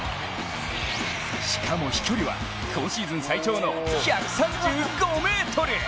しかも飛距離は今シーズン最長の１３５ｍ！